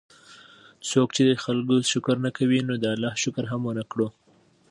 څوک چې د خلکو شکر نه کوي، نو ده د الله شکر هم ونکړو